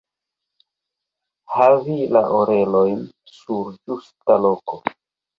Havi la orelojn sur ĝusta loko.